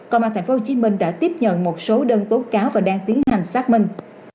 còn mà tp hcm đã tiếp nhận một số đơn tố cáo và đang tiến hành xác minh